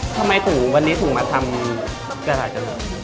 ทำไมถูกวันนี้ถูกมาทำกระดาษเจริญ